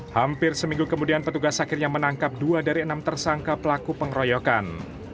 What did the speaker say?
hampir seminggu kemudian petugas akhirnya menangkap dua dari enam tersangka pelaku pengeroyokan